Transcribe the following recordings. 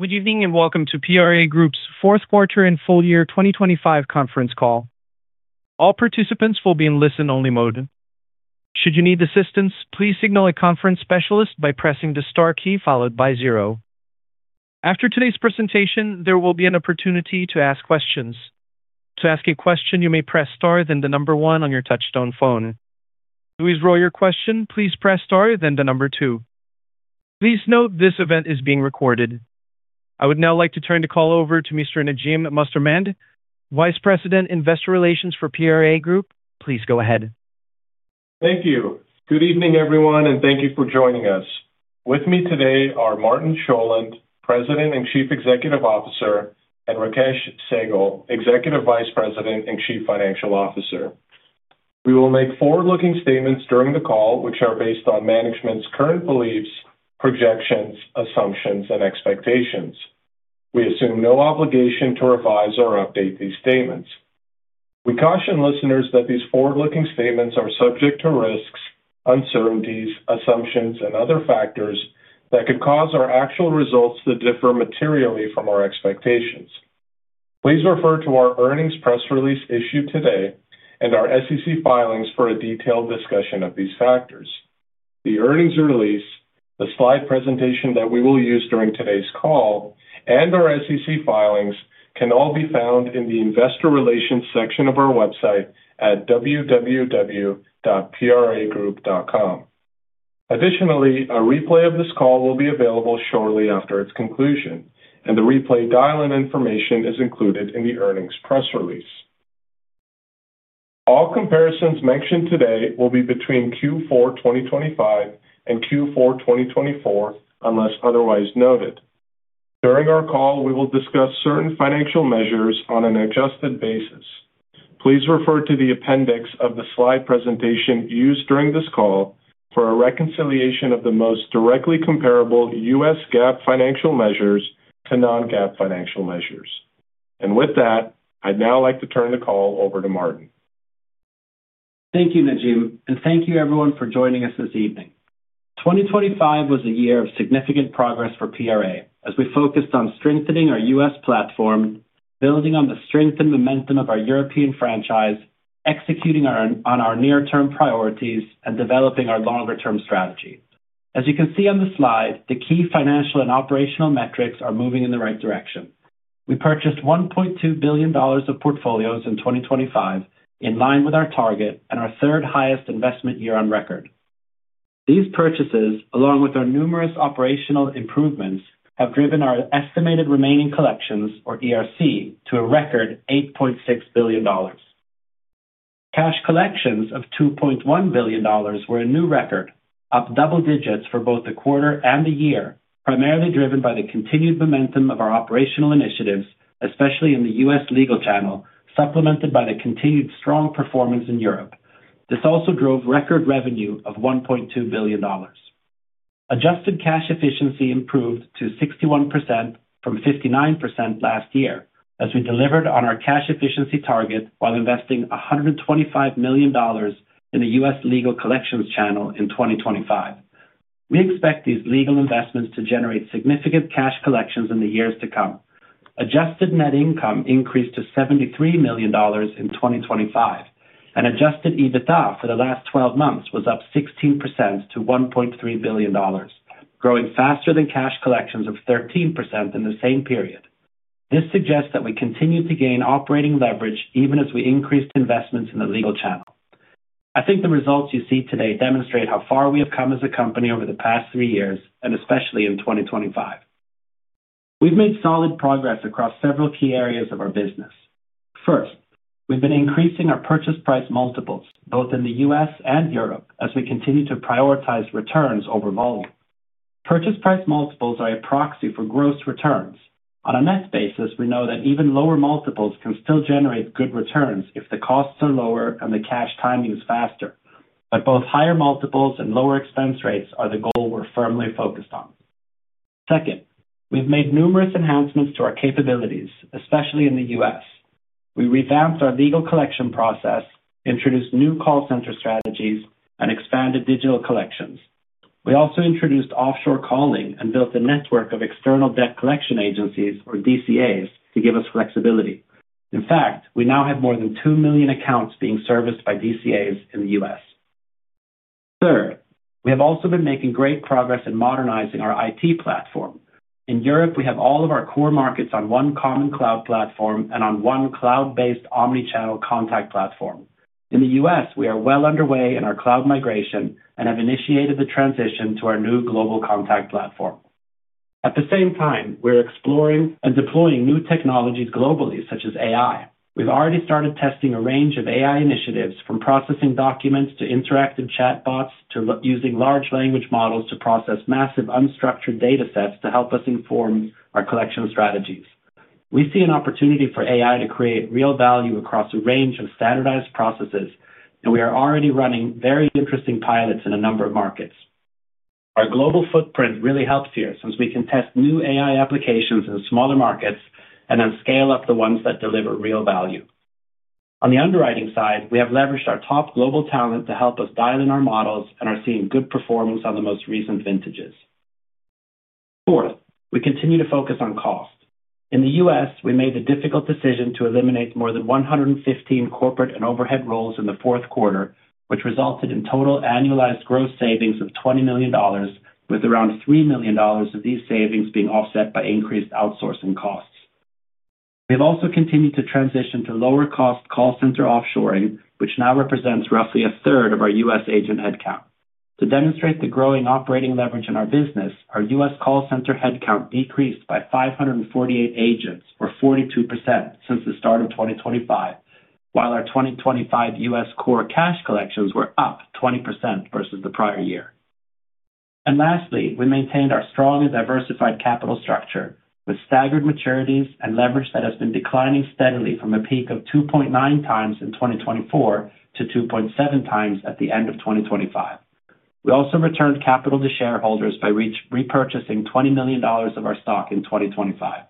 Good evening, and welcome to PRA Group's Q4 and Full Year 2025 Conference Call. All participants will be in listen-only mode. Should you need assistance, please signal a conference specialist by pressing the star key followed by zero. After today's presentation, there will be an opportunity to ask questions. To ask a question, you may press star then the number one on your touchtone phone. To withdraw your question, please press star then the number two. Please note this event is being recorded. I would now like to turn the call over to Mr. Najim Mostamand, Vice President, Investor Relations for PRA Group. Please go ahead. Thank you. Good evening, everyone, and thank you for joining us. With me today are Martin Sjolund, President and Chief Executive Officer, and Rakesh Sehgal, Executive Vice President and Chief Financial Officer. We will make forward-looking statements during the call, which are based on management's current beliefs, projections, assumptions, and expectations. We assume no obligation to revise or update these statements. We caution listeners that these forward-looking statements are subject to risks, uncertainties, assumptions, and other factors that could cause our actual results to differ materially from our expectations. Please refer to our earnings press release issued today and our SEC filings for a detailed discussion of these factors. The earnings release, the slide presentation that we will use during today's call, and our SEC filings can all be found in the Investor Relations section of our website at www.pragroup.com. Additionally, a replay of this call will be available shortly after its conclusion, and the replay dial-in information is included in the earnings press release. All comparisons mentioned today will be between Q4 2025 and Q4 2024, unless otherwise noted. During our call, we will discuss certain financial measures on an adjusted basis. Please refer to the appendix of the slide presentation used during this call for a reconciliation of the most directly comparable US GAAP financial measures to non-GAAP financial measures. With that, I'd now like to turn the call over to Martin. Thank you, Najim, thank you everyone for joining us this evening. 2025 was a year of significant progress for PRA as we focused on strengthening our US platform, building on the strength and momentum of our European franchise, executing on our near-term priorities, and developing our longer-term strategy. As you can see on the slide, the key financial and operational metrics are moving in the right direction. We purchased $1.2 billion of portfolios in 2025, in line with our target and our third highest investment year on record. These purchases, along with our numerous operational improvements, have driven our estimated remaining collections, or ERC, to a record $8.6 billion. Cash collections of $2.1 billion were a new record, up double digits for both the quarter and the year, primarily driven by the continued momentum of our operational initiatives, especially in the US legal channel, supplemented by the continued strong performance in Europe. This also drove record revenue of $1.2 billion. Adjusted cash efficiency improved to 61% from 59% last year as we delivered on our cash efficiency target while investing $125 million in the US legal collections channel in 2025. We expect these legal investments to generate significant cash collections in the years to come. Adjusted net income increased to $73 million in 2025, and adjusted EBITDA for the last 12 months was up 16% to $1.3 billion, growing faster than cash collections of 13% in the same period. This suggests that we continue to gain operating leverage even as we increased investments in the legal channel. I think the results you see today demonstrate how far we have come as a company over the past three years and especially in 2025. We've made solid progress across several key areas of our business. First, we've been increasing our purchase price multiples, both in the US and Europe, as we continue to prioritize returns over volume. Purchase price multiples are a proxy for gross returns. On a net basis, we know that even lower multiples can still generate good returns if the costs are lower and the cash timing is faster. Both higher multiples and lower expense rates are the goal we're firmly focused on. Second, we've made numerous enhancements to our capabilities, especially in the US. We revamped our legal collection process, introduced new call center strategies, and expanded digital collections. We also introduced offshore calling and built a network of external debt collection agencies, or DCAs, to give us flexibility. In fact, we now have more than two million accounts being serviced by DCAs in the U.S. Third, we have also been making great progress in modernizing our IT platform. In Europe, we have all of our core markets on one common cloud platform and on one cloud-based omni-channel contact platform. In the U.S., we are well underway in our cloud migration and have initiated the transition to our new global contact platform. At the same time, we're exploring and deploying new technologies globally, such as AI. We've already started testing a range of AI initiatives from processing documents to interactive chatbots, to using large language models to process massive unstructured data sets to help us inform our collection strategies. We see an opportunity for AI to create real value across a range of standardized processes. We are already running very interesting pilots in a number of markets. Our global footprint really helps here since we can test new AI applications in smaller markets and then scale up the ones that deliver real value. On the underwriting side, we have leveraged our top global talent to help us dial in our models and are seeing good performance on the most recent vintages. Fourth, we continue to focus on cost. In the U.S., we made the difficult decision to eliminate more than 115 corporate and overhead roles in the Q4, which resulted in total annualized gross savings of $20 million with around $3 million of these savings being offset by increased outsourcing costs. We have also continued to transition to lower cost call center offshoring, which now represents roughly a third of our U.S. agent headcount. To demonstrate the growing operating leverage in our business, our U.S. call center headcount decreased by 548 agents, or 42%, since the start of 2025, while our 2025 U.S. core cash collections were up 20% versus the prior year. Lastly, we maintained our strong and diversified capital structure with staggered maturities and leverage that has been declining steadily from a peak of 2.9x in 2024 to 2.7x at the end of 2025. We also returned capital to shareholders by repurchasing $20 million of our stock in 2025.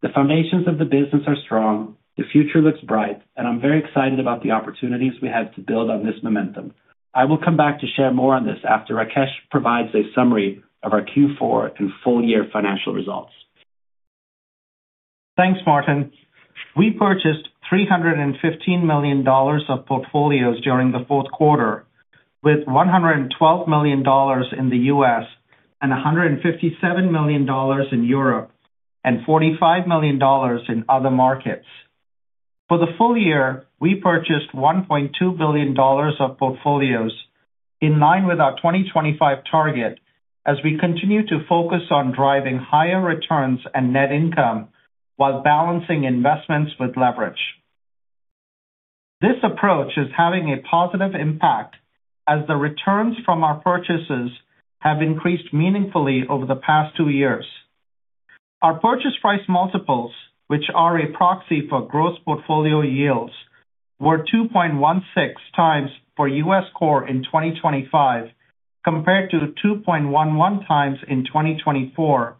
The foundations of the business are strong, the future looks bright, and I'm very excited about the opportunities we have to build on this momentum. I will come back to share more on this after Rakesh provides a summary of our Q4 and full year financial results. Thanks, Martin. We purchased $315 million of portfolios during the Q4, with $112 million in the U.S. and $157 million in Europe and $45 million in other markets. For the full year, we purchased $1.2 billion of portfolios in line with our 2025 target as we continue to focus on driving higher returns and net income while balancing investments with leverage. This approach is having a positive impact as the returns from our purchases have increased meaningfully over the past two years. Our purchase price multiples, which are a proxy for gross portfolio yields, were 2.16x for U.S. core in 2025 compared to 2.11x in 2024,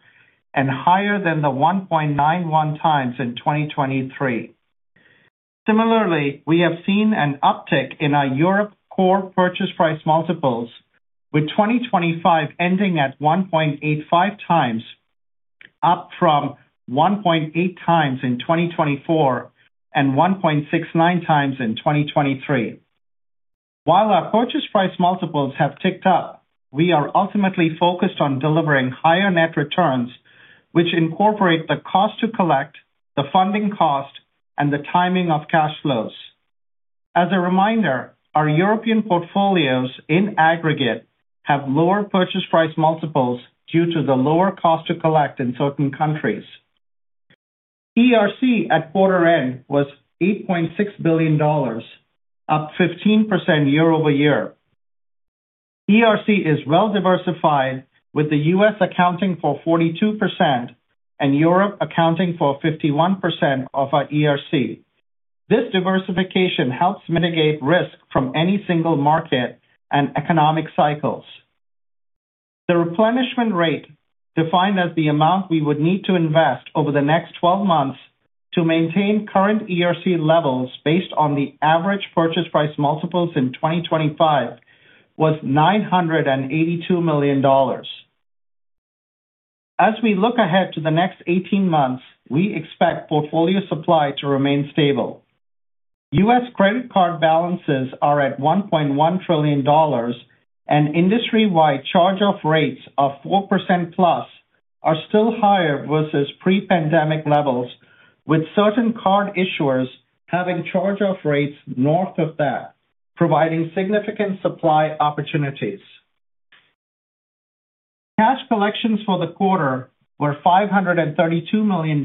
and higher than the 1.91x in 2023. Similarly, we have seen an uptick in our Europe core purchase price multiples, with 2025 ending at 1.85x, up from 1.8x in 2024 and 1.69x in 2023. While our purchase price multiples have ticked up, we are ultimately focused on delivering higher net returns, which incorporate the cost to collect, the funding cost, and the timing of cash flows. As a reminder, our European portfolios in aggregate have lower purchase price multiples due to the lower cost to collect in certain countries. ERC at quarter end was $8.6 billion, up 15% year-over-year. ERC is well-diversified, with the U.S. accounting for 42% and Europe accounting for 51% of our ERC. This diversification helps mitigate risk from any single market and economic cycles. The replenishment rate, defined as the amount we would need to invest over the next 12 months to maintain current ERC levels based on the average purchase price multiples in 2025, was $982 million. As we look ahead to the next 18 months, we expect portfolio supply to remain stable. U.S. credit card balances are at $1.1 trillion, and industry-wide charge-off rates of 4%+ are still higher versus pre-pandemic levels, with certain card issuers having charge-off rates north of that, providing significant supply opportunities. Cash collections for the quarter were $532 million,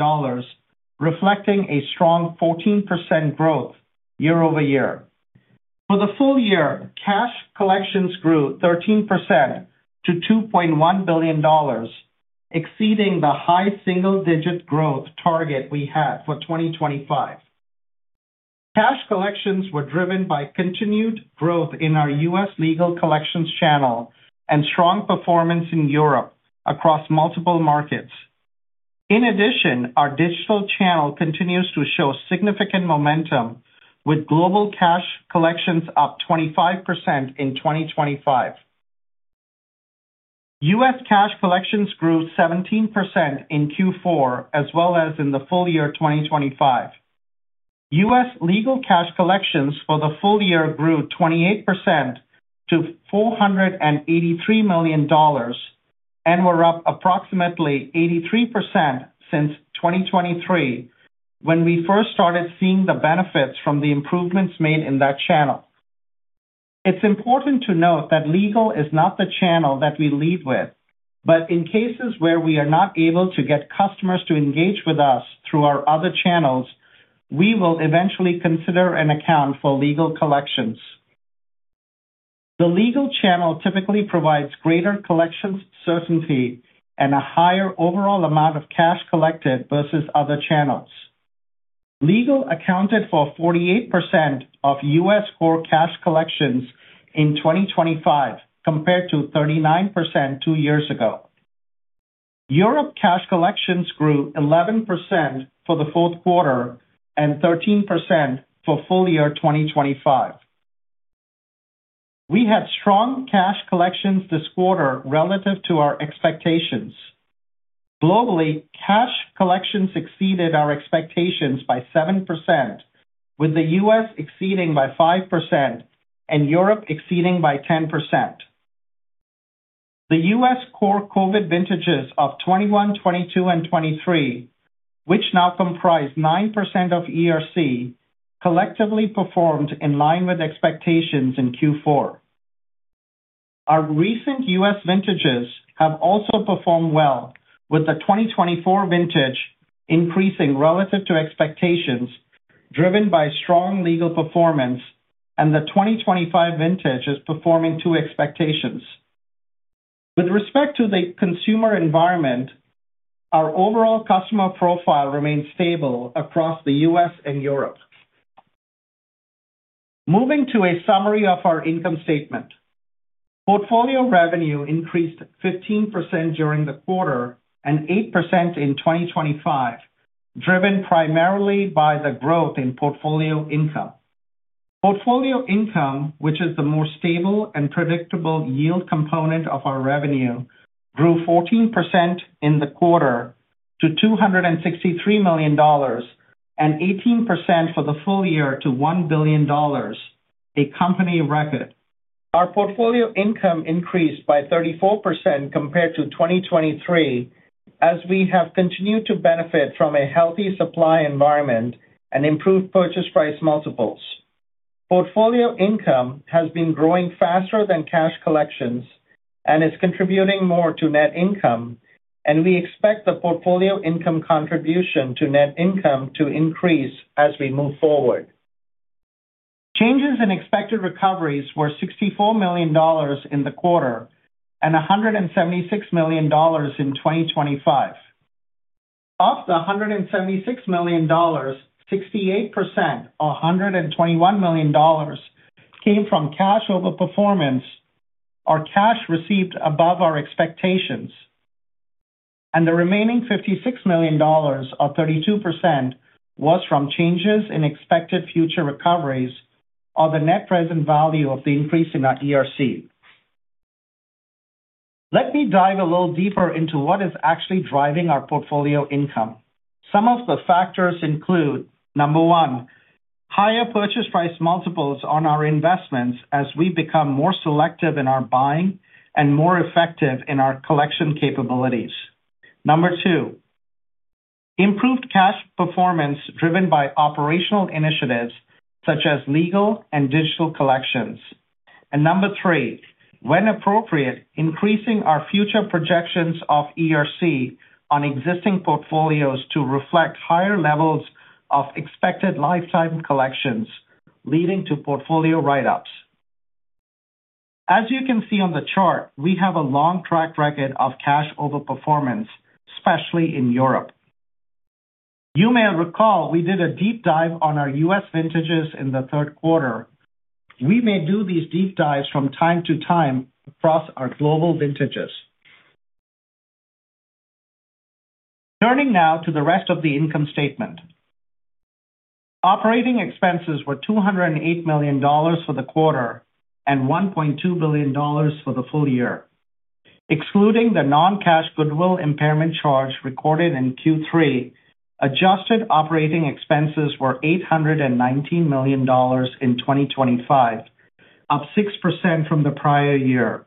reflecting a strong 14% growth year-over-year. For the full year, cash collections grew 13% to $2.1 billion, exceeding the high single-digit growth target we had for 2025. Cash collections were driven by continued growth in our U.S. legal collections channel and strong performance in Europe across multiple markets. In addition, our digital channel continues to show significant momentum, with global cash collections up 25% in 2025. U.S. cash collections grew 17% in Q4 as well as in the full year 2025. U.S. legal cash collections for the full year grew 28% to $483 million, and were up approximately 83% since 2023 when we first started seeing the benefits from the improvements made in that channel. It's important to note that legal is not the channel that we lead with, but in cases where we are not able to get customers to engage with us through our other channels, we will eventually consider an account for legal collections. The legal channel typically provides greater collections certainty and a higher overall amount of cash collected versus other channels. Legal accounted for 48% of U.S. core cash collections in 2025 compared to 39% two years ago. Europe cash collections grew 11% for the Q4 and 13% for full year 2025. We had strong cash collections this quarter relative to our expectations. Globally, cash collections exceeded our expectations by 7%, with the U.S. exceeding by 5% and Europe exceeding by 10%. The U.S. core COVID vintages of 2021, 2022 and 2023, which now comprise 9% of ERC, collectively performed in line with expectations in Q4. Our recent U.S. vintages have also performed well, with the 2024 vintage increasing relative to expectations driven by strong legal performance, and the 2025 vintage is performing to expectations. With respect to the consumer environment, our overall customer profile remains stable across the U.S. and Europe. Moving to a summary of our income statement. Portfolio revenue increased 15% during the quarter and 8% in 2025, driven primarily by the growth in Portfolio income. Portfolio income, which is the more stable and predictable yield component of our revenue, grew 14% in the quarter to $263 million and 18% for the full year to $1 billion, a company record. Our Portfolio income increased by 34% compared to 2023, as we have continued to benefit from a healthy supply environment and improved purchase price multiples. Portfolio income has been growing faster than cash collections and is contributing more to net income. We expect the Portfolio income contribution to net income to increase as we move forward. Changes in expected recoveries were $64 million in the quarter and $176 million in 2025. Of the $176 million, 68% or $121 million came from cash over-performance or cash received above our expectations, and the remaining $56 million or 32% was from changes in expected future recoveries or the net present value of the increase in our ERC. Let me dive a little deeper into what is actually driving our portfolio income. Some of the factors include, Number one, higher purchase price multiples on our investments as we become more selective in our buying and more effective in our collection capabilities. Number two, improved cash performance driven by operational initiatives such as legal and digital collections. Number three, when appropriate, increasing our future projections of ERC on existing portfolios to reflect higher levels of expected lifetime collections, leading to portfolio write-ups. As you can see on the chart, we have a long track record of cash over-performance, especially in Europe. You may recall we did a deep dive on our U.S. vintages in the Q3. We may do these deep dives from time to time across our global vintages. Turning now to the rest of the income statement. Operating expenses were $208 million for the quarter and $1.2 billion for the full year. Excluding the non-cash goodwill impairment charge recorded in Q3, adjusted operating expenses were $819 million in 2025, up 6% from the prior year,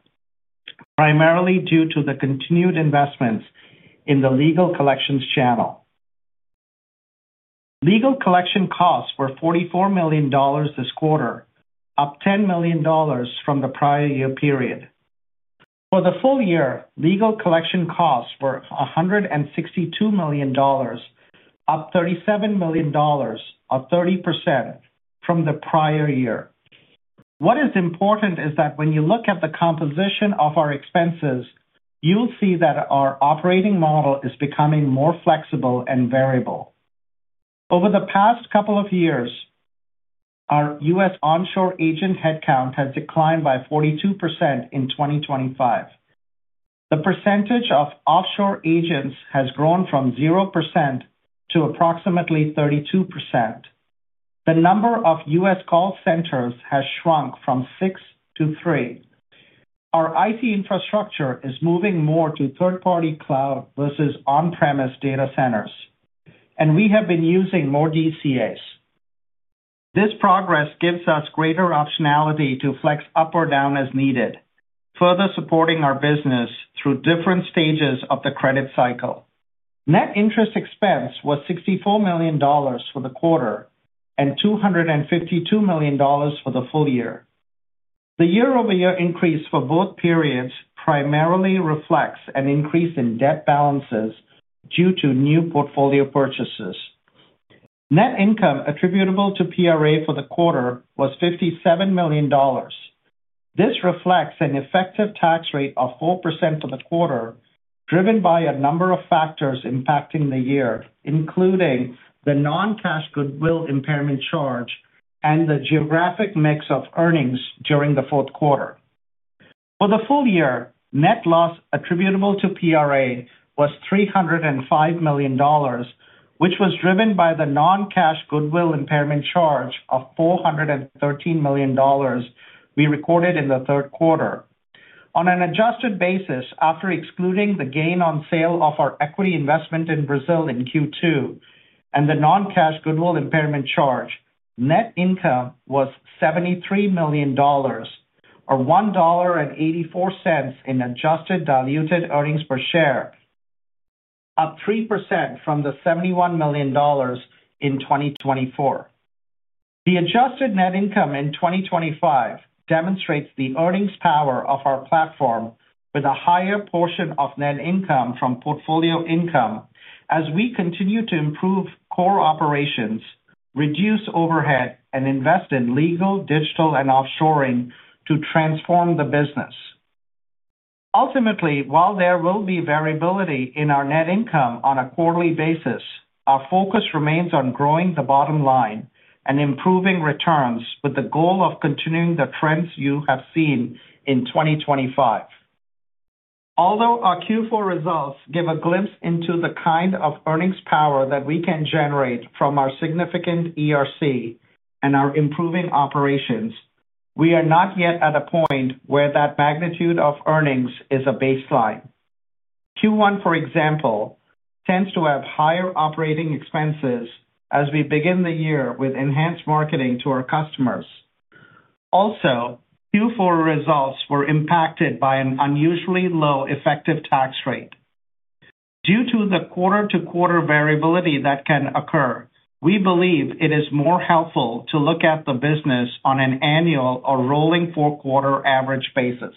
primarily due to the continued investments in the legal collections channel. Legal collection costs were $44 million this quarter, up $10 million from the prior-year period. For the full year, legal collection costs were $162 million, up $37 million or 30% from the prior-year. What is important is that when you look at the composition of our expenses, you'll see that our operating model is becoming more flexible and variable. Over the past couple of years, our U.S. onshore agent headcount has declined by 42% in 2025. The percentage of offshore agents has grown from 0% to approximately 32%. The number of U.S. call centers has shrunk from six to three. Our IT infrastructure is moving more to third-party cloud versus on-premise data centers, and we have been using more DCAs. This progress gives us greater optionality to flex up or down as needed, further supporting our business through different stages of the credit cycle. Net interest expense was $64 million for the quarter and $252 million for the full year. The year-over-year increase for both periods primarily reflects an increase in debt balances due to new portfolio purchases. Net income attributable to PRA for the quarter was $57 million. This reflects an effective tax rate of 4% for the quarter, driven by a number of factors impacting the year, including the non-cash goodwill impairment charge and the geographic mix of earnings during the Q4. For the full year, net loss attributable to PRA was $305 million, which was driven by the non-cash goodwill impairment charge of $413 million we recorded in the Q3. On an adjusted basis, after excluding the gain on sale of our equity investment in Brazil in Q2 and the non-cash goodwill impairment, net income was $73 million or $1.84 in adjusted diluted earnings per share, up 3% from the $71 million in 2024. The adjusted net income in 2025 demonstrates the earnings power of our platform with a higher portion of net income from portfolio income as we continue to improve core operations, reduce overhead, and invest in legal, digital, and offshoring to transform the business. Ultimately, while there will be variability in our net income on a quarterly basis, our focus remains on growing the bottom line and improving returns with the goal of continuing the trends you have seen in 2025. Our Q4 results give a glimpse into the kind of earnings power that we can generate from our significant ERC and our improving operations, we are not yet at a point where that magnitude of earnings is a baseline. Q1, for example, tends to have higher operating expenses as we begin the year with enhanced marketing to our customers. Q4 results were impacted by an unusually low effective tax rate. Due to the quarter-to-quarter variability that can occur, we believe it is more helpful to look at the business on an annual or rolling four-quarter average basis.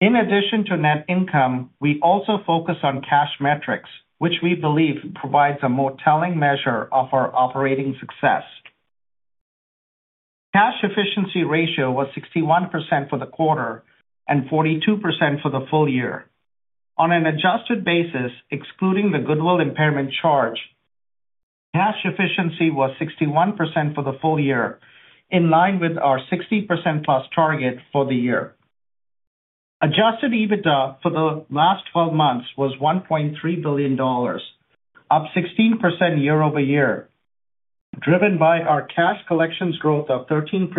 In addition to net income, we also focus on cash metrics, which we believe provides a more telling measure of our operating success. Cash efficiency ratio was 61% for the quarter and 42% for the full year. On an adjusted basis, excluding the goodwill impairment charge, adjusted cash efficiency was 61% for the full year, in line with our 60%+ target for the year. adjusted EBITDA for the last 12 months was $1.3 billion, up 16% year-over-year, driven by our cash collections growth of 13%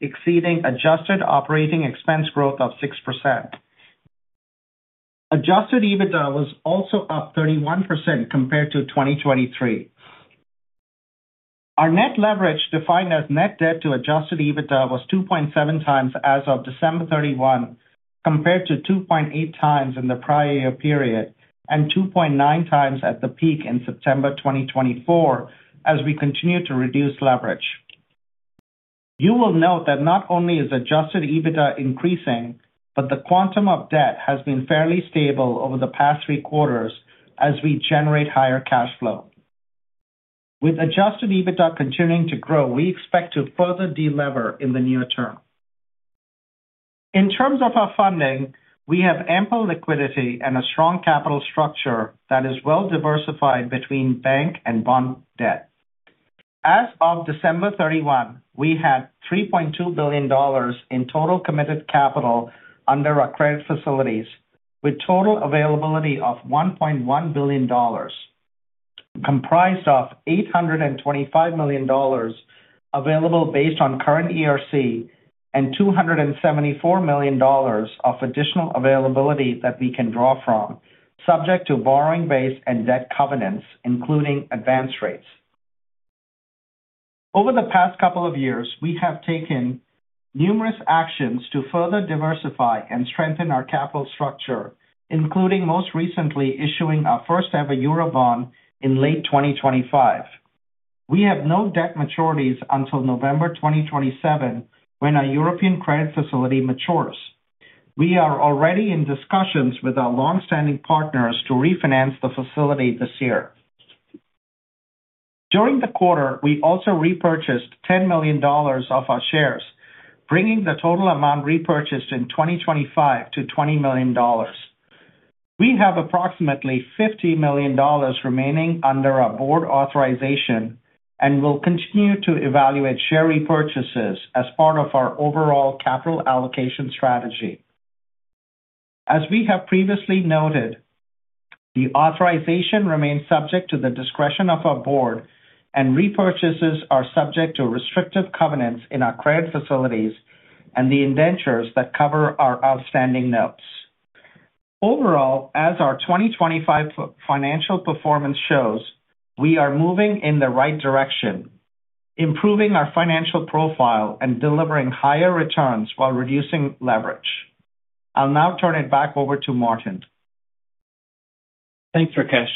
exceeding adjusted operating expense growth of 6%. adjusted EBITDA was also up 31% compared to 2023. Our net leverage, defined as net debt to adjusted EBITDA, was 2.7x as of 31 December, compared to 2.8x in the prior year period and 2.9x at the peak in September 2024 as we continue to reduce leverage. You will note that not only is adjusted EBITDA increasing, but the quantum of debt has been fairly stable over the past three quarters as we generate higher cash flow. With adjusted EBITDA continuing to grow, we expect to further de-lever in the near term. In terms of our funding, we have ample liquidity and a strong capital structure that is well-diversified between bank and bond debt. As of 31 December, we had $3.2 billion in total committed capital under our credit facilities, with total availability of $1.1 billion, comprised of $825 million available based on current ERC and $274 million of additional availability that we can draw from subject to borrowing base and debt covenants, including advance rates. Over the past couple of years, we have taken numerous actions to further diversify and strengthen our capital structure, including most recently issuing our first ever Eurobond in late 2025. We have no debt maturities until November 2027 when our European credit facility matures. We are already in discussions with our long-standing partners to refinance the facility this year. During the quarter, we also repurchased $10 million of our shares, bringing the total amount repurchased in 2025 to $20 million. We have approximately $50 million remaining under our board authorization and will continue to evaluate share repurchases as part of our overall capital allocation strategy. As we have previously noted, the authorization remains subject to the discretion of our board and repurchases are subject to restrictive covenants in our credit facilities and the indentures that cover our outstanding notes. Overall, as our 2025 financial performance shows, we are moving in the right direction, improving our financial profile and delivering higher returns while reducing leverage. I'll now turn it back over to Martin. Thanks, Rakesh.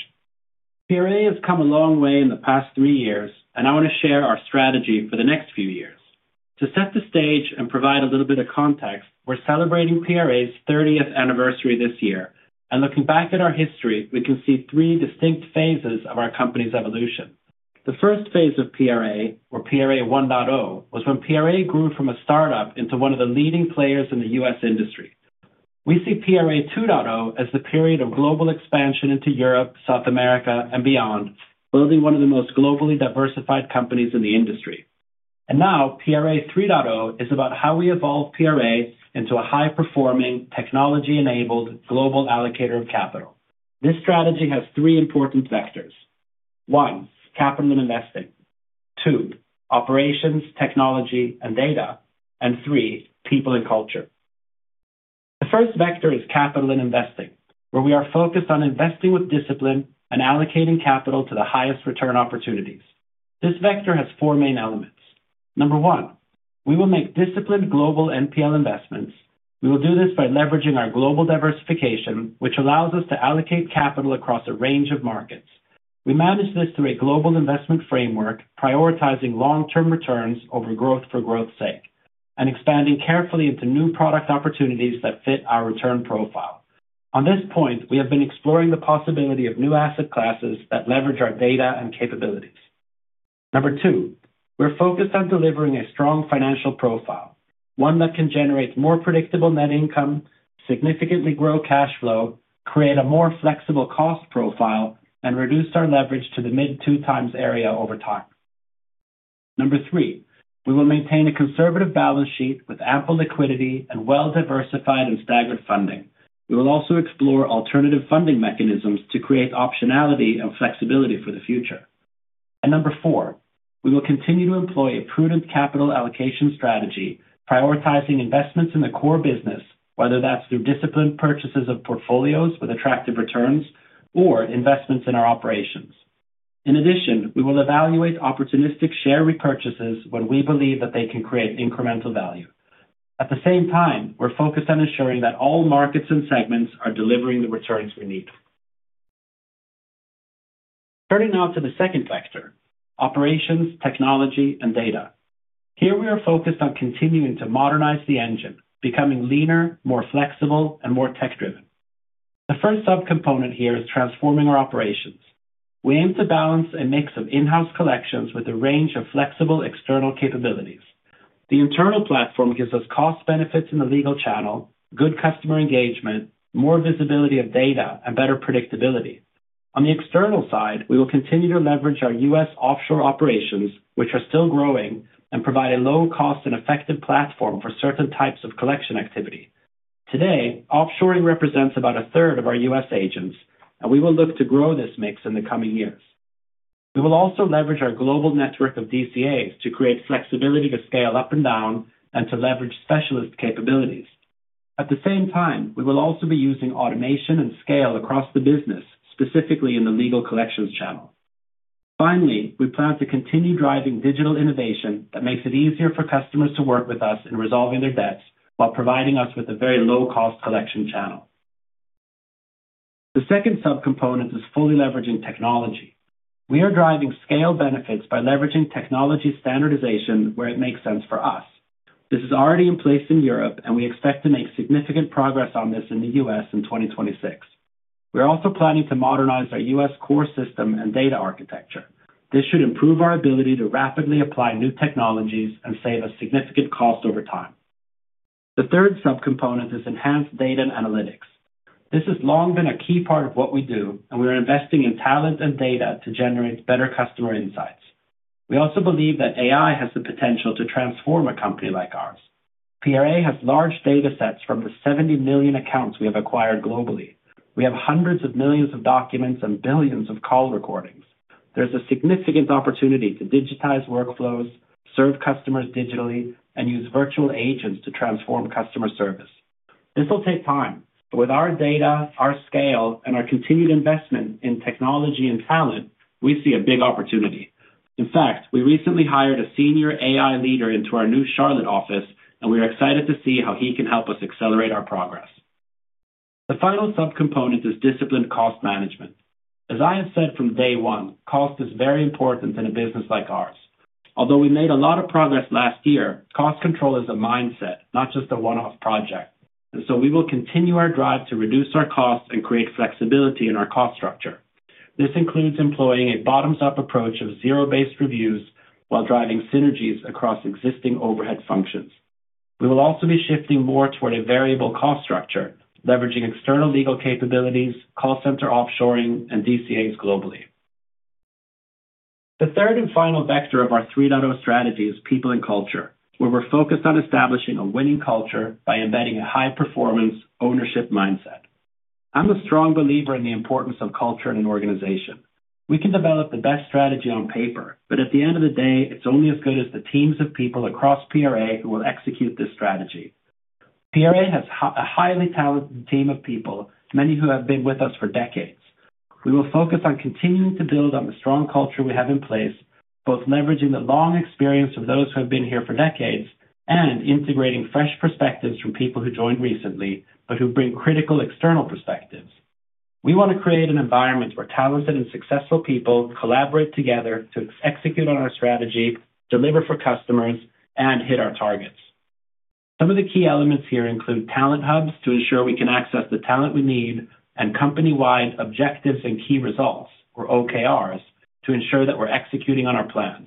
PRA has come a long way in the past three years, and I want to share our strategy for the next few years. To set the stage and provide a little bit of context, we're celebrating PRA's 30th anniversary this year. Looking back at our history, we can see three distinct phases of our company's evolution. The first phase of PRA, or PRA 1.0, was when PRA grew from a startup into one of the leading players in the U.S. industry. We see PRA 2.0 as the period of global expansion into Europe, South America, and beyond, building one of the most globally diversified companies in the industry. Now PRA 3.0 is about how we evolve PRA into a high-performing, technology-enabled global allocator of capital. This strategy has three important vectors. one. Capital and investing. two. Operations, technology, and data. three. People and culture. The first vector is capital and investing, where we are focused on investing with discipline and allocating capital to the highest return opportunities. This vector has four main elements. Number one, we will make disciplined global NPL investments. We will do this by leveraging our global diversification, which allows us to allocate capital across a range of markets. We manage this through a global investment framework, prioritizing long-term returns over growth for growth's sake, and expanding carefully into new product opportunities that fit our return profile. On this point, we have been exploring the possibility of new asset classes that leverage our data and capabilities. Number two, we're focused on delivering a strong financial profile, one that can generate more predictable net income, significantly grow cash flow, create a more flexible cost profile, and reduce our leverage to the mid 2x area over time. Number three, we will maintain a conservative balance sheet with ample liquidity and well-diversified and staggered funding. We will also explore alternative funding mechanisms to create optionality and flexibility for the future. Number four, we will continue to employ a prudent capital allocation strategy, prioritizing investments in the core business, whether that's through disciplined purchases of portfolios with attractive returns or investments in our operations. In addition, we will evaluate opportunistic share repurchases when we believe that they can create incremental value. At the same time, we're focused on ensuring that all markets and segments are delivering the returns we need. Turning now to the second vector, operations, technology, and data. Here we are focused on continuing to modernize the engine, becoming leaner, more flexible, and more tech-driven. The first subcomponent here is transforming our operations. We aim to balance a mix of in-house collections with a range of flexible external capabilities. The internal platform gives us cost benefits in the legal channel, good customer engagement, more visibility of data, and better predictability. On the external side, we will continue to leverage our US offshore operations, which are still growing and provide a low cost and effective platform for certain types of collection activity. Today, offshoring represents about a third of our US agents, and we will look to grow this mix in the coming years. We will also leverage our global network of DCAs to create flexibility to scale up and down and to leverage specialist capabilities. At the same time, we will also be using automation and scale across the business, specifically in the legal collections channel. Finally, we plan to continue driving digital innovation that makes it easier for customers to work with us in resolving their debts while providing us with a very low-cost collection channel. The second subcomponent is fully leveraging technology. We are driving scale benefits by leveraging technology standardization where it makes sense for us. This is already in place in Europe, and we expect to make significant progress on this in the U.S. in 2026. We're also planning to modernize our U.S. core system and data architecture. This should improve our ability to rapidly apply new technologies and save us significant cost over time. The third subcomponent is enhanced data and analytics. This has long been a key part of what we do, and we are investing in talent and data to generate better customer insights. We also believe that AI has the potential to transform a company like ours. PRA has large data sets from the 70 million accounts we have acquired globally. We have hundreds of millions of documents and billions of call recordings. There's a significant opportunity to digitize workflows, serve customers digitally, and use virtual agents to transform customer service. This will take time, but with our data, our scale, and our continued investment in technology and talent, we see a big opportunity. In fact, we recently hired a senior AI leader into our new Charlotte office, and we are excited to see how he can help us accelerate our progress. The final subcomponent is disciplined cost management. As I have said from day one, cost is very important in a business like ours. Although we made a lot of progress last year, cost control is a mindset, not just a one-off project. We will continue our drive to reduce our costs and create flexibility in our cost structure. This includes employing a bottoms-up approach of zero-based reviews while driving synergies across existing overhead functions. We will also be shifting more toward a variable cost structure, leveraging external legal capabilities, call center offshoring, and DCAs globally. The third and final vector of our 3.0 strategy is people and culture, where we're focused on establishing a winning culture by embedding a high-performance ownership mindset. I'm a strong believer in the importance of culture in an organization. We can develop the best strategy on paper, but at the end of the day, it's only as good as the teams of people across PRA who will execute this strategy. PRA has a highly talented team of people, many who have been with us for decades. We will focus on continuing to build on the strong culture we have in place, both leveraging the long experience of those who have been here for decades and integrating fresh perspectives from people who joined recently but who bring critical external perspectives. We want to create an environment where talented and successful people collaborate together to execute on our strategy, deliver for customers, and hit our targets. Some of the key elements here include talent hubs to ensure we can access the talent we need and company-wide objectives and key results, or OKRs, to ensure that we're executing on our plans.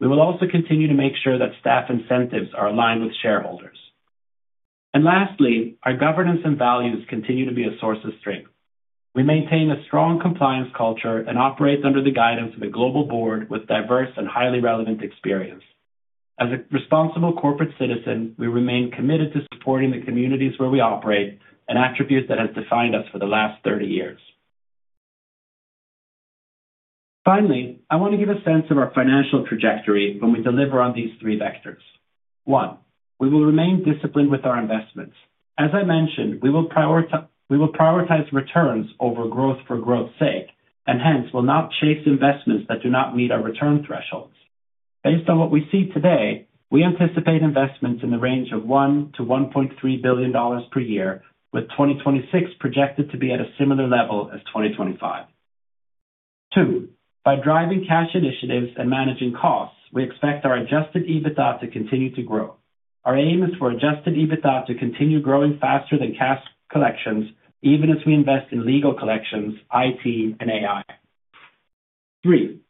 We will also continue to make sure that staff incentives are aligned with shareholders. Lastly, our governance and values continue to be a source of strength. We maintain a strong compliance culture and operate under the guidance of a global board with diverse and highly relevant experience. As a responsible corporate citizen, we remain committed to supporting the communities where we operate, an attribute that has defined us for the last 30 years. Finally, I want to give a sense of our financial trajectory when we deliver on these three vectors. One, we will remain disciplined with our investments. As I mentioned, we will prioritize returns over growth for growth's sake, and hence will not chase investments that do not meet our return thresholds. Based on what we see today, we anticipate investments in the range of $1 billion-$1.3 billion per year, with 2026 projected to be at a similar level as 2025. Two, by driving cash initiatives and managing costs, we expect our adjusted EBITDA to continue to grow. Our aim is for adjusted EBITDA to continue growing faster than cash collections, even as we invest in legal collections, IT, and AI. three,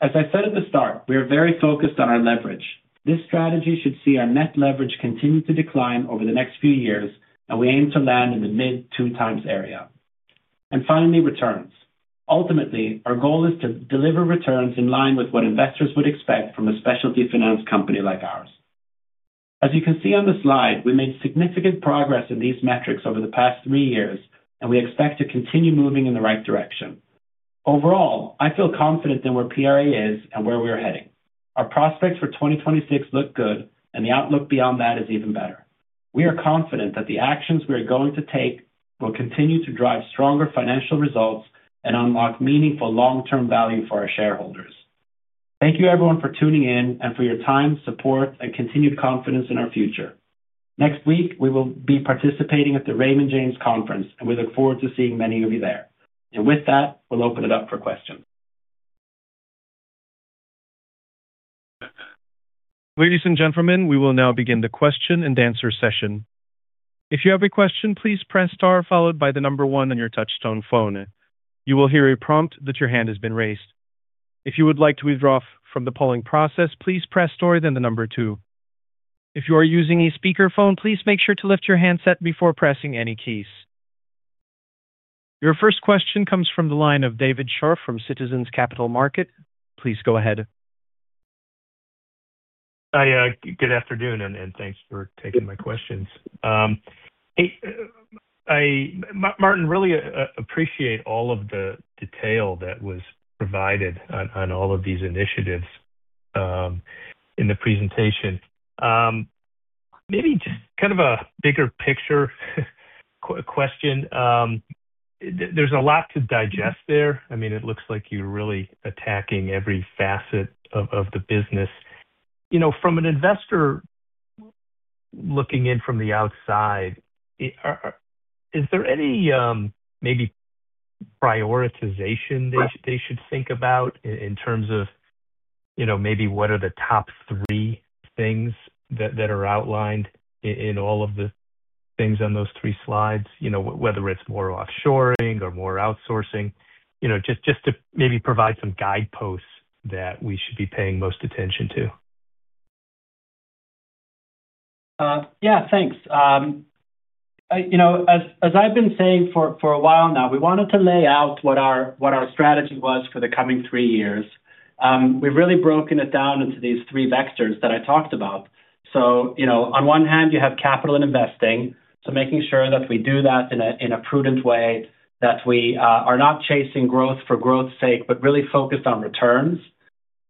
as I said at the start, we are very focused on our leverage. This strategy should see our net leverage continue to decline over the next few years, and we aim to land in the mid 2 times area. Finally, returns. Ultimately, our goal is to deliver returns in line with what investors would expect from a specialty finance company like ours. As you can see on the slide, we made significant progress in these metrics over the past three years, and we expect to continue moving in the right direction. Overall, I feel confident in where PRA is and where we are heading. Our prospects for 2026 look good and the outlook beyond that is even better. We are confident that the actions we are going to take will continue to drive stronger financial results and unlock meaningful long-term value for our shareholders. Thank you everyone for tuning in and for your time, support, and continued confidence in our future. Next week we will be participating at the Raymond James Conference, and we look forward to seeing many of you there. With that, we'll open it up for questions. Ladies and gentlemen, we will now begin the question and answer session. If you have a question, please press star followed by the one on your touchtone phone. You will hear a prompt that your hand has been raised. If you would like to withdraw from the polling process, please press star then the two. If you are using a speakerphone, please make sure to lift your handset before pressing any keys. Your first question comes from the line of David Scharf from Citizens Capital Markets. Please go ahead. Hi, good afternoon, and thanks for taking my questions. Martin Sjolund, really appreciate all of the detail that was provided on all of these initiatives in the presentation. Maybe just kind of a bigger picture question. There's a lot to digest there. I mean, it looks like you're really attacking every facet of the business. You know from an investor looking in from the outside, is there any maybe prioritization they should think about in terms of, you know, maybe what are the top three things that are outlined in all of the things on those three slides? You know, whether it's more offshoring or more outsourcing. You know, just to maybe provide some guideposts that we should be paying most attention to. Yeah, thanks. I, you know, as I've been saying for a while now, we wanted to lay out what our, what our strategy was for the coming three years. We've really broken it down into these three vectors that I talked about. You know, on one hand you have capital and investing. Making sure that we do that in a, in a prudent way, that we are not chasing growth for growth's sake, but really focused on returns.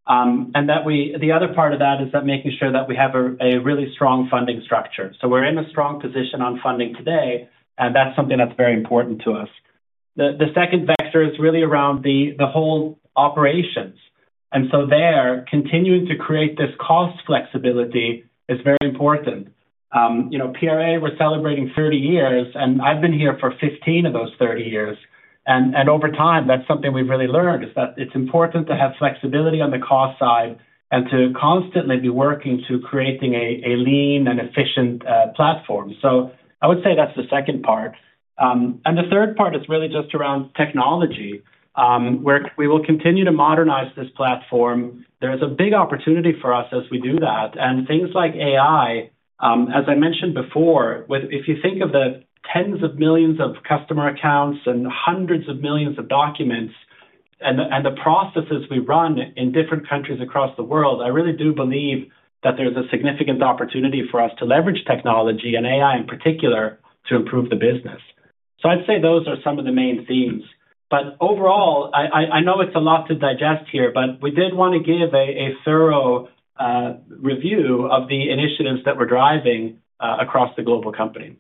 And that the other part of that is that making sure that we have a really strong funding structure. We're in a strong position on funding today, and that's something that's very important to us. The, the second vector is really around the whole operations. There continuing to create this cost flexibility is very important. you know, PRA, we're celebrating 30 years, I've been here for 15 of those 30 years. Over time, that's something we've really learned, is that it's important to have flexibility on the cost side and to constantly be working to creating a lean and efficient platform. I would say that's the second part. The third part is really just around technology, where we will continue to modernize this platform. There is a big opportunity for us as we do that. Things like AI, as I mentioned before, if you think of the tens of millions of customer accounts and hundreds of millions of documents and the, and the processes we run in different countries across the world, I really do believe that there's a significant opportunity for us to leverage technology and AI in particular to improve the business. I'd say those are some of the main themes. Overall, I know it's a lot to digest here, but we did want to give a thorough review of the initiatives that we're driving across the global company.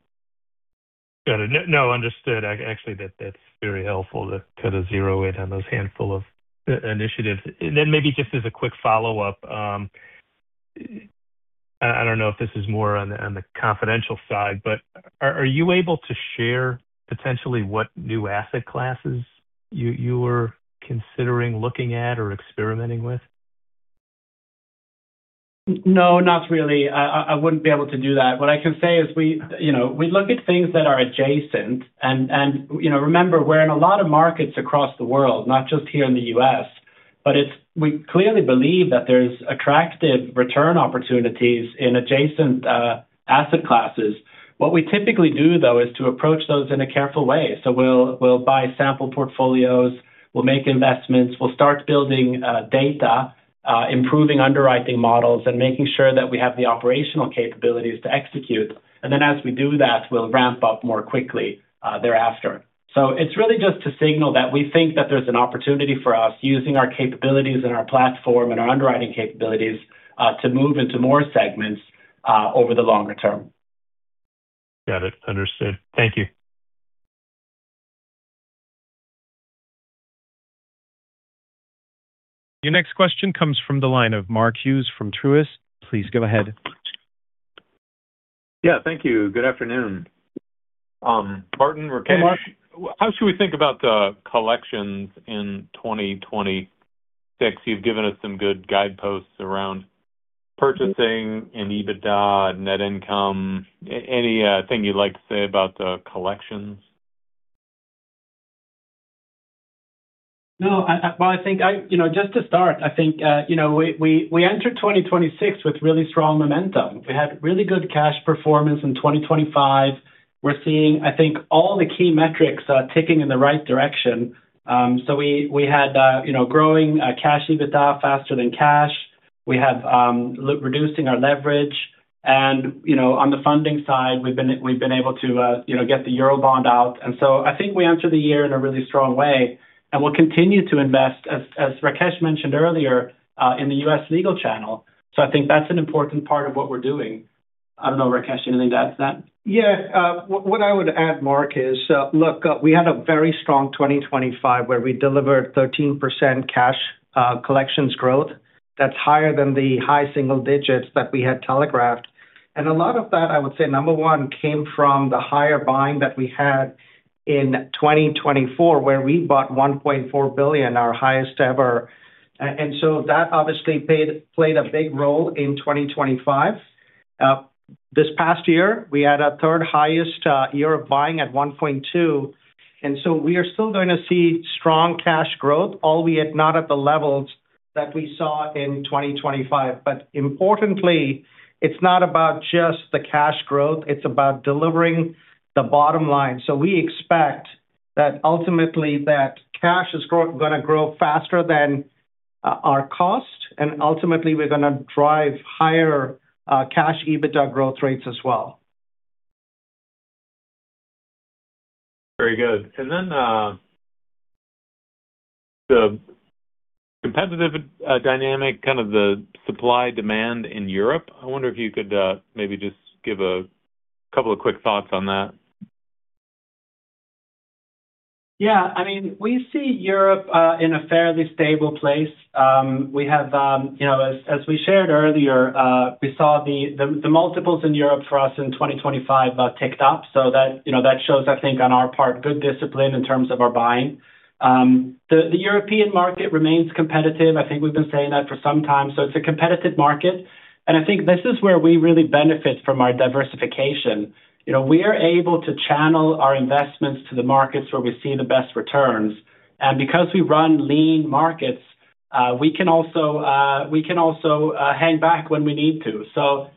Got it. No, understood. Actually, that's very helpful to kind of zero in on those handful of initiatives. Then maybe just as a quick follow-up, I don't know if this is more on the, on the confidential side, but are you able to share potentially what new asset classes you were considering looking at or experimenting with? No, not really. I wouldn't be able to do that. What I can say is we, you know, we look at things that are adjacent and, you know, remember, we're in a lot of markets across the world, not just here in the U.S. We clearly believe that there's attractive return opportunities in adjacent asset classes. What we typically do, though, is to approach those in a careful way. We'll buy sample portfolios, we'll make investments, we'll start building data, improving underwriting models, and making sure that we have the operational capabilities to execute. As we do that, we'll ramp up more quickly thereafter. It's really just to signal that we think that there's an opportunity for us using our capabilities and our platform and our underwriting capabilities, to move into more segments, over the longer term. Got it. Understood. Thank you. Your next question comes from the line of Mark Hughes from Truist. Please go ahead. Thank you. Good afternoon. Martin, Rakesh, how should we think about the collections in 2026? You've given us some good guideposts around purchasing and EBITDA and net income. Any thing you'd like to say about the collections? No. Well, I think, you know, just to start, I think, you know, we entered 2026 with really strong momentum. We had really good cash performance in 2025. We're seeing, I think, all the key metrics are ticking in the right direction. We had, you know, growing cash EBITDA faster than cash. We have reducing our leverage. You know, on the funding side, we've been able to, you know, get the Eurobond out. I think we enter the year in a really strong way, and we'll continue to invest, as Rakesh mentioned earlier, in the U.S. legal channel. I think that's an important part of what we're doing. I don't know, Rakesh, anything to add to that? Yeah. What I would add, Mark, is, look, we had a very strong 2025 where we delivered 13% cash, collections growth. That's higher than the high single digits that we had telegraphed. A lot of that, I would say, number one, came from the higher buying that we had in 2024, where we bought $1.4 billion, our highest ever. That obviously played a big role in 2025. This past year, we had our third highest, year of buying at $1.2 billion, so we are still gonna see strong cash growth, albeit not at the levels that we saw in 2025. Importantly, it's not about just the cash growth, it's about delivering the bottom line. We expect that ultimately that cash is gonna grow faster than our cost, and ultimately we're gonna drive higher, cash EBITDA growth rates as well. Very good. The competitive, dynamic, kind of the supply-demand in Europe, I wonder if you could, maybe just give a couple of quick thoughts on that. Yeah. I mean, we see Europe in a fairly stable place. We have, you know, as we shared earlier, we saw the multiples in Europe for us in 2025, ticked up. That, you know, that shows, I think, on our part, good discipline in terms of our buying. The European market remains competitive. I think we've been saying that for some time. It's a competitive market, and I think this is where we really benefit from our diversification. You know, we are able to channel our investments to the markets where we see the best returns. Because we run lean markets, we can also hang back when we need to.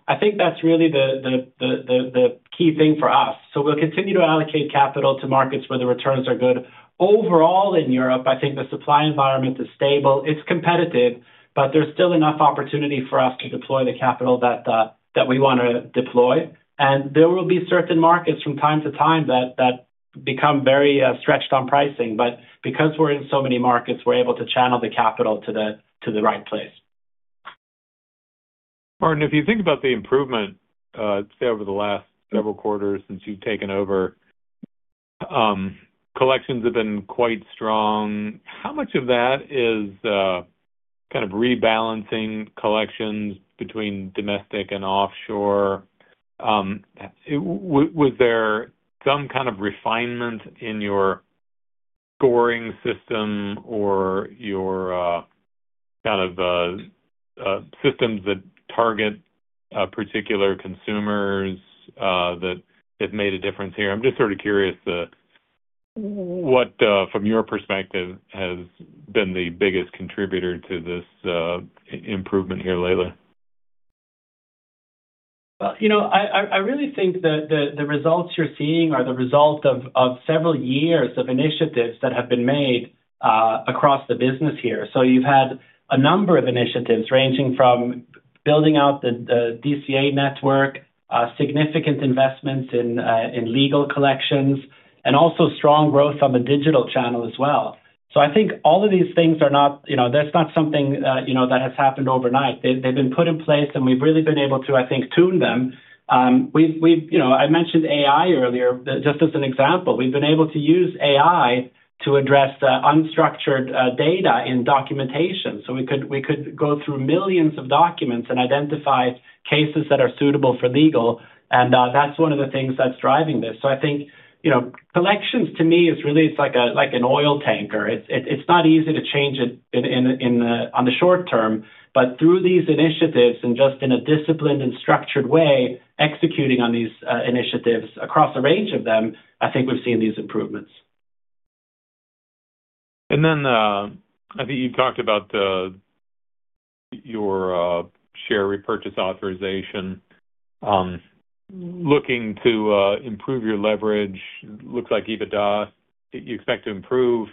I think that's really the key thing for us. We'll continue to allocate capital to markets where the returns are good. Overall, in Europe, I think the supply environment is stable. It's competitive, but there's still enough opportunity for us to deploy the capital that we wanna deploy. There will be certain markets from time to time that become very stretched on pricing. Because we're in so many markets, we're able to channel the capital to the right place. Martin, if you think about the improvement, say over the last several quarters since you've taken over, collections have been quite strong. How much of that is kind of rebalancing collections between domestic and offshore? Was there some kind of refinement in your scoring system or your kind of systems that target particular consumers that have made a difference here? I'm just sort of curious what from your perspective has been the biggest contributor to this improvement here lately. Well, you know, I really think that the results you're seeing are the result of several years of initiatives that have been made across the business here. You've had a number of initiatives ranging from building out the DCA network, significant investments in legal collections, and also strong growth on the digital channel as well. I think all of these things are not, you know, that's not something, you know, that has happened overnight. They've been put in place, and we've really been able to, I think, tune them. You know, I mentioned AI earlier, just as an example. We've been able to use AI to address the unstructured data in documentation. We could go through millions of documents and identify cases that are suitable for legal, and that's one of the things that's driving this. I think, you know, collections to me is really, it's like a, like an oil tanker. It's not easy to change it in the short term. Through these initiatives and just in a disciplined and structured way, executing on these initiatives across a range of them, I think we've seen these improvements. I think you've talked about your share repurchase authorization, looking to improve your leverage. Looks like EBITDA, you expect to improve.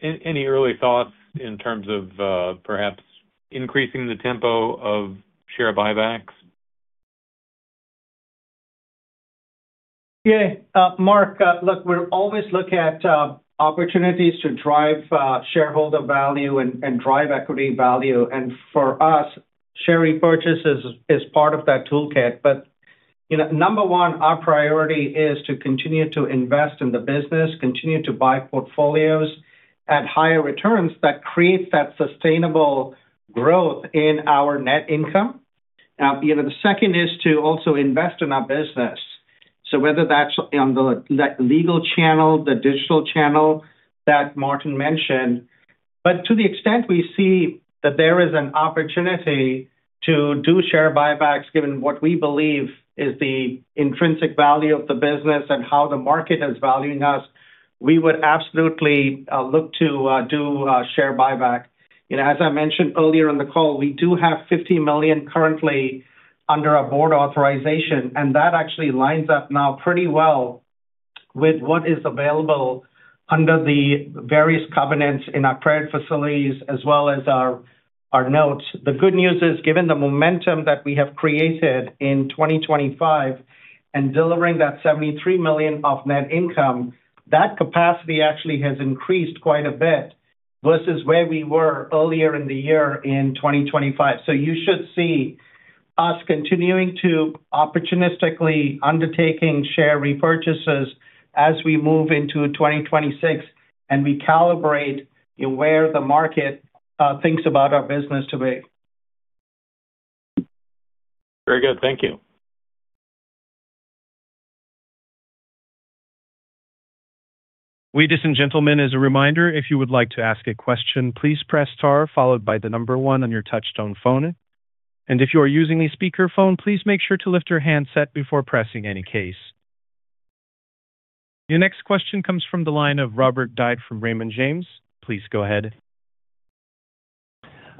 Any early thoughts in terms of perhaps increasing the tempo of share buybacks? Mark, look, we're always looking at opportunities to drive shareholder value and drive equity value. For us, share repurchases is part of that toolkit. You know, number one, our priority is to continue to invest in the business, continue to buy portfolios at higher returns that creates that sustainable growth in our net income. You know, the second is to also invest in our business. Whether that's on the legal channel, the digital channel that Martin mentioned. To the extent we see that there is an opportunity to do share buybacks, given what we believe is the intrinsic value of the business and how the market is valuing us, we would absolutely look to do share buyback. You know, as I mentioned earlier in the call, we do have $50 million currently under our board authorization, and that actually lines up now pretty well with what is available under the various covenants in our credit facilities as well as our notes. The good news is, given the momentum that we have created in 2025 and delivering that $73 million of net income, that capacity actually has increased quite a bit versus where we were earlier in the year in 2025. You should see us continuing to opportunistically undertaking share repurchases as we move into 2026 and recalibrate where the market thinks about our business today. Very good. Thank you. Ladies and gentlemen, as a reminder, if you would like to ask a question, please press star followed by the number one on your touchtone phone. If you are using a speakerphone, please make sure to lift your handset before pressing any keys. Your next question comes from the line of Robert Dodd from Raymond James. Please go ahead.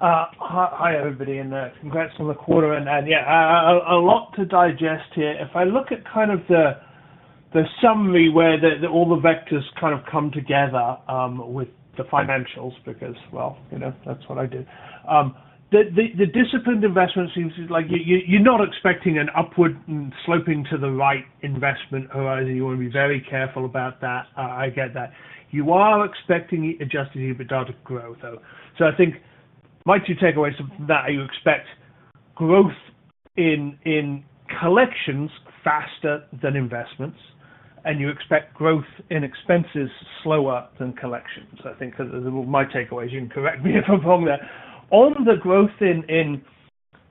Hi everybody, congrats on the quarter. Yeah, a lot to digest here. If I look at kind of the summary where the all the vectors kind of come together with the financials because, well, you know, that's what I do. The disciplined investment seems like you're not expecting an upward sloping to the right investment or either you want to be very careful about that. I get that. You are expecting adjusted EBITDA to grow, though. I think my two takeaways from that are you expect growth in collections faster than investments, and you expect growth in expenses slower than collections. I think those are my takeaways. You can correct me if I'm wrong there. On the growth in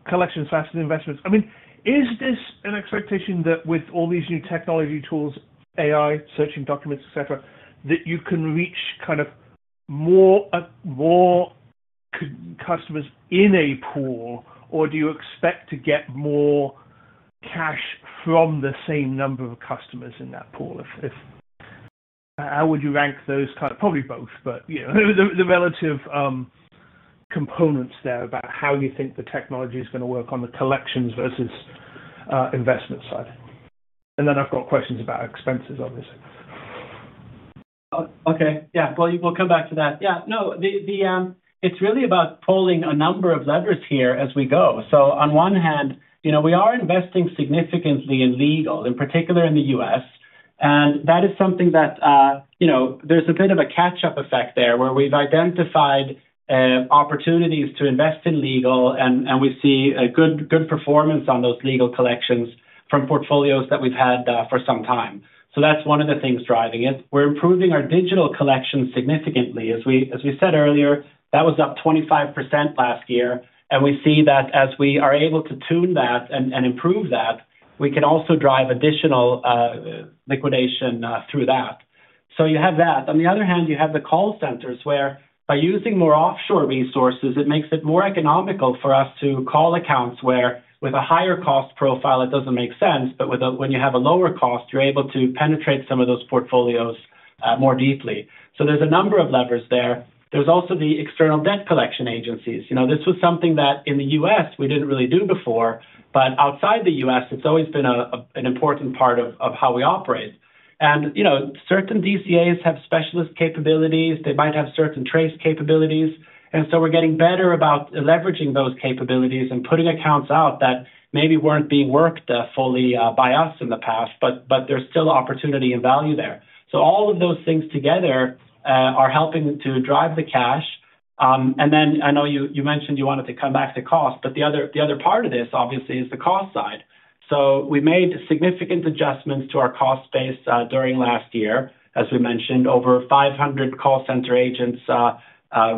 collections faster than investments, I mean, is this an expectation that with all these new technology tools, AI, searching documents, et cetera, that you can reach kind of more customers in a pool? Or do you expect to get more cash from the same number of customers in that pool? If, how would you rank those kind of? Probably both, but you know, the relative components there about how you think the technology is going to work on the collections versus investment side. Then I've got questions about expenses, obviously. Okay. Well, we'll come back to that. No, the, it's really about pulling a number of levers here as we go. On one hand, you know, we are investing significantly in legal, in particular in the U.S., and that is something that, you know, there's a bit of a catch-up effect there where we've identified opportunities to invest in legal and we see a good performance on those legal collections from portfolios that we've had for some time. That's one of the things driving it. We're improving our digital collections significantly. As we said earlier, that was up 25% last year, and we see that as we are able to tune that and improve that, we can also drive additional liquidation through that. You have that. On the other hand, you have the call centers where by using more offshore resources, it makes it more economical for us to call accounts where with a higher cost profile it doesn't make sense. When you have a lower cost, you're able to penetrate some of those portfolios more deeply. There's a number of levers there. There's also the external debt collection agencies. You know, this was something that in the U.S. we didn't really do before. Outside the U.S., it's always been an important part of how we operate. You know, certain DCAs have specialist capabilities. They might have certain trace capabilities. We're getting better about leveraging those capabilities and putting accounts out that maybe weren't being worked fully by us in the past, but there's still opportunity and value there. All of those things together are helping to drive the cash. I know you mentioned you wanted to come back to cost, but the other part of this obviously is the cost side. We made significant adjustments to our cost base during last year. As we mentioned, over 500 call center agents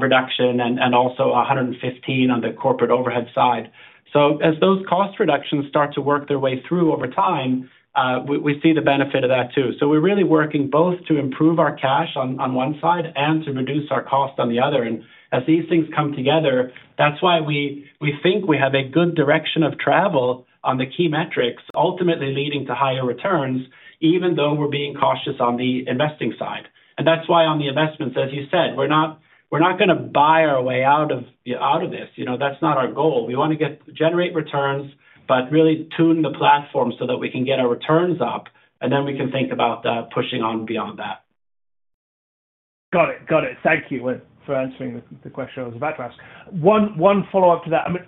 reduction and also 115 on the corporate overhead side. As those cost reductions start to work their way through over time, we see the benefit of that too. We're really working both to improve our cash on one side and to reduce our cost on the other. As these things come together, that's why we think we have a good direction of travel on the key metrics, ultimately leading to higher returns, even though we're being cautious on the investing side. That's why on the investments, as you said, we're not gonna buy our way out of this, you know, that's not our goal. We wanna generate returns, but really tune the platform so that we can get our returns up, then we can think about pushing on beyond that. Got it. Thank you for answering the question I was about to ask. One follow-up to that. I mean,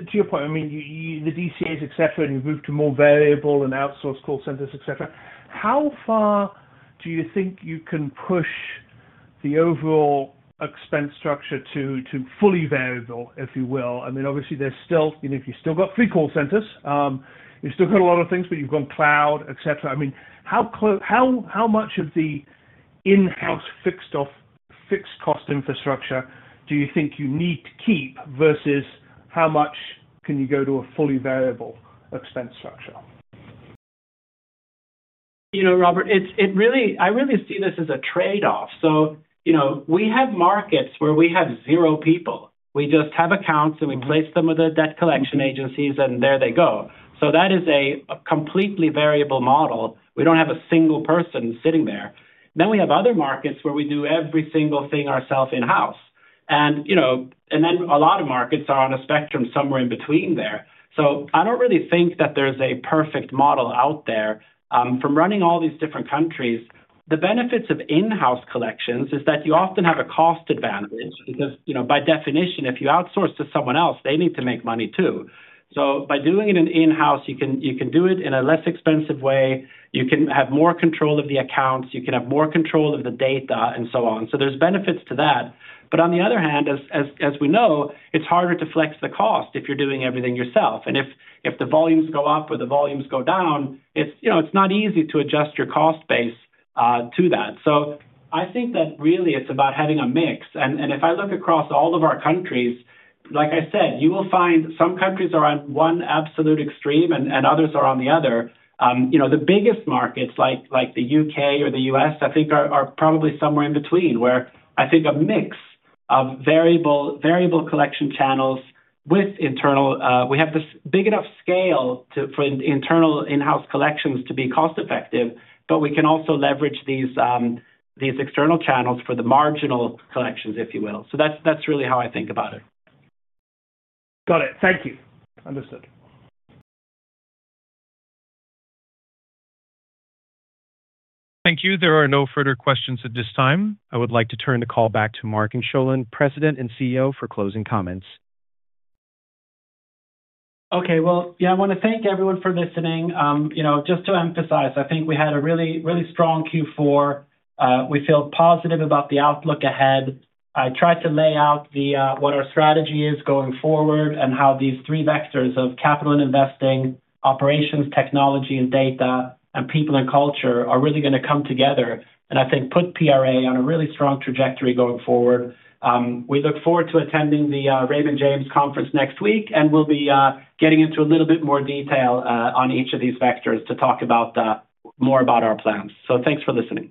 to your point, I mean, the DCAs, et cetera, and you've moved to more variable and outsourced call centers, et cetera. How far do you think you can push the overall expense structure to fully variable, if you will? I mean, obviously, there's still, you know, you've still got three call centers. You've still got a lot of things, but you've gone cloud, et cetera. I mean, how much of the in-house fixed cost infrastructure do you think you need to keep versus how much can you go to a fully variable expense structure? You know, Robert, I really see this as a trade-off. You know, we have markets where we have zero people. We just have accounts, and we place them with the debt collection agencies, and there they go. That is a completely variable model. We don't have a one person sitting there. We have other markets where we do every single thing ourself in-house. You know, and then a lot of markets are on a spectrum somewhere in between there. I don't really think that there's a perfect model out there. From running all these different countries, the benefits of in-house collections is that you often have a cost advantage because, you know, by definition, if you outsource to someone else, they need to make money, too. By doing it in-house, you can do it in a less expensive way, you can have more control of the accounts, you can have more control of the data and so on. There's benefits to that. On the other hand, as we know, it's harder to flex the cost if you're doing everything yourself. If the volumes go up or the volumes go down, it's, you know, it's not easy to adjust your cost base to that. I think that really it's about having a mix. If I look across all of our countries, like I said, you will find some countries are on one absolute extreme and others are on the other. You know, the biggest markets like the UK or the US, I think are probably somewhere in between where I think a mix of variable collection channels with internal. We have this big enough scale for internal in-house collections to be cost-effective, but we can also leverage these external channels for the marginal collections, if you will. That's really how I think about it. Got it. Thank you. Understood. Thank you. There are no further questions at this time. I would like to turn the call back to Martin Sjolund, President and CEO, for closing comments. Okay. Well, yeah, I wanna thank everyone for listening. you know, just to emphasize, I think we had a really, really strong Q4. We feel positive about the outlook ahead. I tried to lay out what our strategy is going forward. How these three vectors of capital and investing, operations, technology and data, and people and culture are really gonna come together and I think put PRA on a really strong trajectory going forward. We look forward to attending the Raymond James Conference next week, and we'll be getting into a little bit more detail on each of these vectors to talk about more about our plans. Thanks for listening.